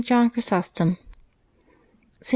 JOHN CHRYSOSTOM. It.